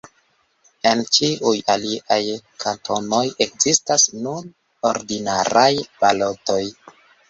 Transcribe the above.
En ĉiuj aliaj kantonoj ekzistas nur ordinaraj balotoj.